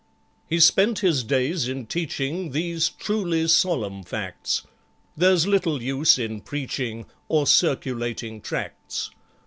He spent his days in teaching These truly solemn facts; There's little use in preaching, Or circulating tracts.